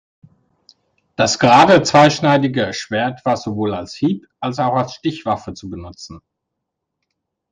Das gerade, zweischneidige Schwert war sowohl als Hieb- als auch als Stichwaffe zu benutzen.